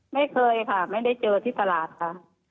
ไม่เคยค่ะไม่ได้เจอที่ตลาดค่ะ